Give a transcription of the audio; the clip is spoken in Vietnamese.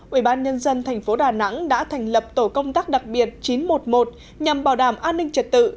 ubnd tp đà nẵng đã thành lập tổ công tác đặc biệt chín trăm một mươi một nhằm bảo đảm an ninh trật tự